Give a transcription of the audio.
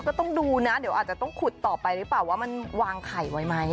ก็ต้องดูนะเดี๋ยวอาจจะต้องขุดต่อไปหรือเปล่าว่ามันวางไข่ไว้ไหม